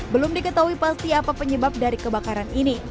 belum diketahui pasti apa penyebab dari kebakaran ini